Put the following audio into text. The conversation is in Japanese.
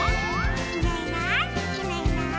「いないいないいないいない」